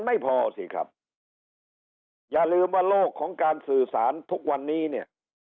ไม่พอสิครับอย่าลืมว่าโลกของการสื่อสารทุกวันนี้เนี่ย